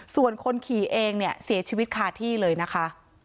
ส่วนคนขี่เองเนี่ยเสียชีวิตคาที่เลยนะคะ